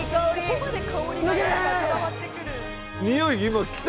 「ここまで香りがなんか伝わってくる」